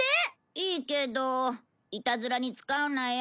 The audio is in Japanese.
いいけどイタズラに使うなよ。